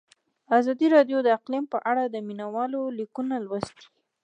ازادي راډیو د اقلیم په اړه د مینه والو لیکونه لوستي.